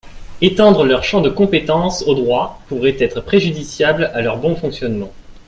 Étendre leur champ de compétence au droit pourrait être préjudiciable à leur bon fonctionnement.